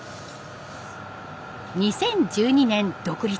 ２０１２年独立。